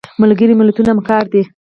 ملګري ملتونه همکار دي